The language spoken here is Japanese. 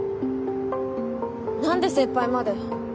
何で先輩まで？